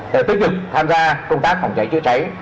sẽ tiếp tục tham gia công tác phòng cháy chữa cháy